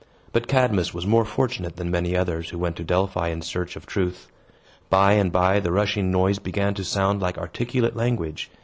But Cadmus was more fortunate than many others who went to Delphi in search of truth. By and by, the rushing noise began to sound like articulate language.